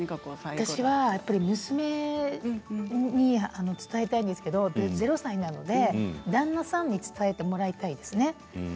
私は娘に伝えたいんですけれど０歳なので旦那さんに伝えてもらいたいですね。